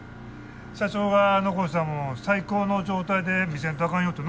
社長が残したもんを最高の状態で見せんとあかんよってな。